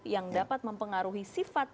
yang dapat mempengaruhi sifat